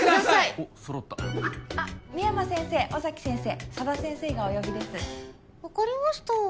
おっそろった深山先生尾崎先生佐田先生がお呼びです「分かりました」